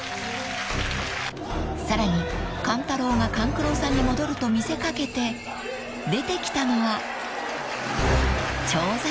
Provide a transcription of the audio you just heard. ［さらに勘太郎が勘九郎さんに戻ると見せ掛けて出てきたのは長三郎です］